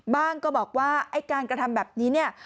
ก็บอกว่าไอ้การกระทำแบบนี้เนี่ย